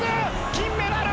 金メダル！！